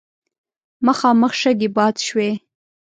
مخامخ شګې باد شوې.